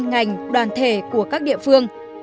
ngành đoàn thể của các địa phương